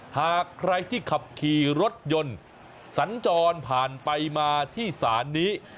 หากใครที่ขับขี่รถยนต์สัญจรผ่านไปมาที่ศาลนี้